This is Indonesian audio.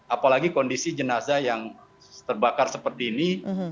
apalagi kondisi jenazah yang terbakar seperti ini